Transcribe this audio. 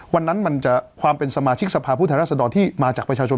วันนั้นมันจะความเป็นสมาชิกสภาพุทธรรษฎรที่มาจากประชาชน